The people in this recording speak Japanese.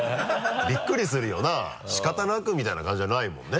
びっくりするよな仕方なくみたいな感じじゃないもんね。